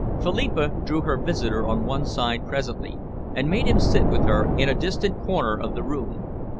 Philippa drew her visitor on one side presently, and made him sit with her in a distant corner of the room.